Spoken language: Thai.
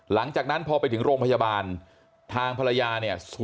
หลังจากนั้นพอไปถึงโรงพยาบาลทางภรรยาเนี่ย